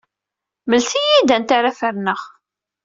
Mlet-iyi-d anta ara ferneɣ.